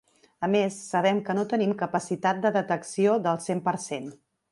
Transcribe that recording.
A més, sabem que no tenim capacitat de detecció del cent per cent.